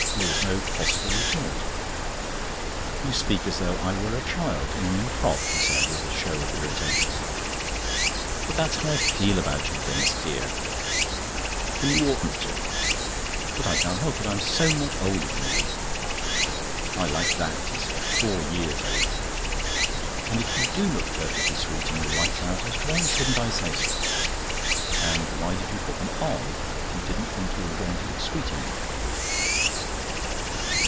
There was no possible retort. "You speak as though I were a child in a new frock," he said, with a show of irritation. "But that's how I feel about you, Denis dear." "Then you oughtn't to." "But I can't help it. I'm so much older than you." "I like that," he said. "Four years older." "And if you do look perfectly sweet in your white trousers, why shouldn't I say so? And why did you put them on, if you didn't think you were going to look sweet in them?"